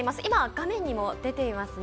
画面にも出ていますね。